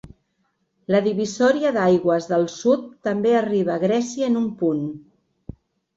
La divisòria d'aigües del sud també arriba a Grècia en un punt.